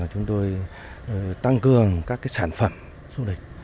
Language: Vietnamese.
thứ ba chúng tôi tăng cường các sản phẩm du lịch